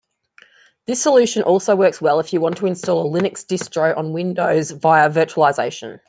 This solution also works well if you want to install a Linux distro on Windows via virtualization.